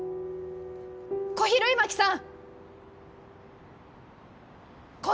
小比類巻さん！